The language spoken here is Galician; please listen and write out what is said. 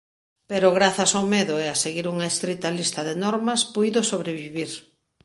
Pero grazas ó medo e a seguir unha estrita lista de normas puido sobrevivir.